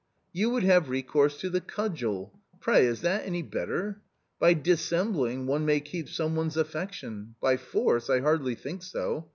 " You would have recourse to the cudgel ; pray, is that any better? By dissembling one may keep some one's affection ; by force— I hardly think so